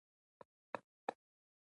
که آهنګري وکړو نو اوسپنه نه زنګ کیږي.